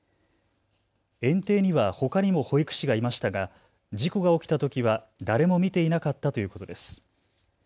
園庭にはほかにも保育士がいましたが事故が起きたときは誰も見ていなかったということです。